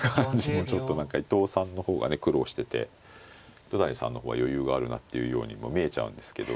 ちょっと何か伊藤さんの方がね苦労してて糸谷さんの方は余裕があるなっていうようにも見えちゃうんですけど。